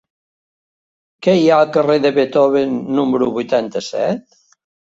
Què hi ha al carrer de Beethoven número vuitanta-set?